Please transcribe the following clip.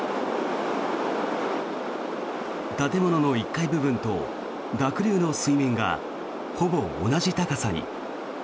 建物の１階部分と濁流の水面がほぼ同じ高さに。